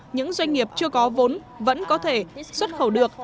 những doanh nghiệp chưa có vốn vẫn có thể xuất khẩu được